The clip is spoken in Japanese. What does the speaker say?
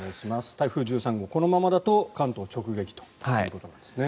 台風１３号、このままだと関東直撃ということなんですね。